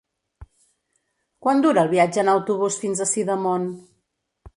Quant dura el viatge en autobús fins a Sidamon?